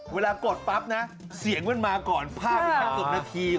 กดปั๊บนะเสียงมันมาก่อนภาพอีกแค่๑๐นาที